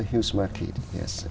những người trẻ